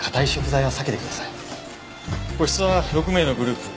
個室は６名のグループ。